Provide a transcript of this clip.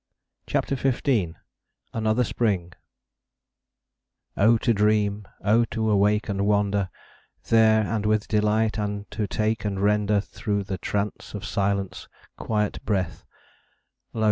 CHAPTER XV ANOTHER SPRING O to dream, O to awake and wander There, and with delight to take and render, Through the trance of silence, Quiet breath; Lo!